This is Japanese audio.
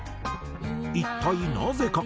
一体なぜか？